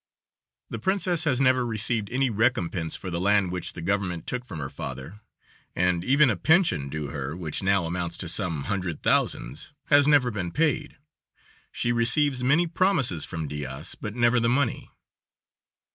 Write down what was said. The princess has never received any recompense for the land which the government took from her father, and even a pension due her, which now amounts to some hundred thousands, has never been paid. She receives many promises from Diaz but never the money.